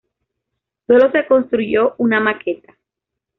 Sólo se construyó una maqueta.